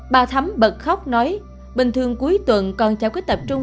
bà thấm bật khóc nói bình thường cuối tuần con cháu cứ tập trung